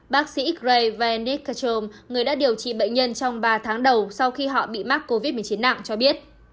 bác sĩ greenis catrom người đã điều trị bệnh nhân trong ba tháng đầu sau khi họ bị mắc covid một mươi chín nặng cho biết